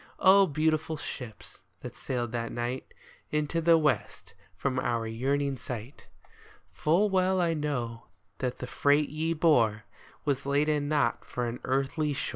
Oh, beautiful ships, that sailed that night Into the west from our yearning sight. Full well I know that the freight ye bore Was laden not for an earthly shore